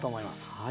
はい。